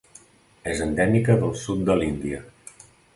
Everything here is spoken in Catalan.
És endèmica del sud de l'Índia.